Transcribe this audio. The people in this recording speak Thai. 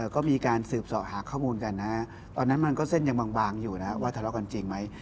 ก็มีการสืบสอหาข้อมูลกันนะตอนนั้นมันก็เส้นยังบางอยู่นะว่าทะเลาะกันจริงไหม